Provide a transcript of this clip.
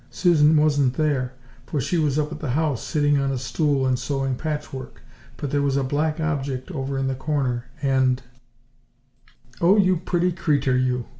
Susan wasn't there, for she was up at the house sitting on a stool and sewing patchwork. But there was a black object over in the corner, and" "Oh, you pretty creeter, you!"